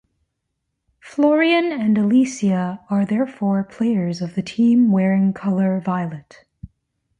Florian and Alycia are therefore players of the team wearing color violet.